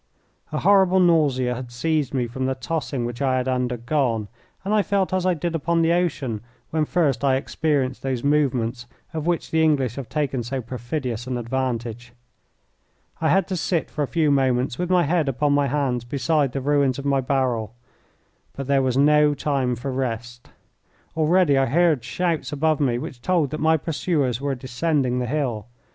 A horrible nausea had seized me from the tossing which I had undergone, and I felt as I did upon the ocean when first I experienced those movements of which the English have taken so perfidious an advantage. I had to sit for a few moments with my head upon my hands beside the ruins of my barrel. But there was no time for rest. Already I heard shouts above me which told that my pursuers were descending the hill.